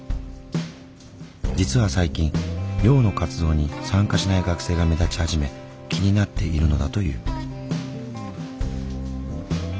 実は最近寮の活動に参加しない学生が目立ち始め気になっているのだという。